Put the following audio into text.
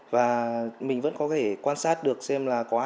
và mình vẫn có thể quan sát được xem là có ai ra